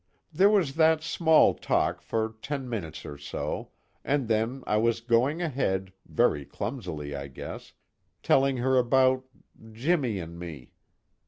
There was that small talk for ten minutes or so, and then I was going ahead, very clumsily I guess, telling her about Jimmy and me.